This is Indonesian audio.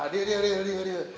si abah sebelah mana ya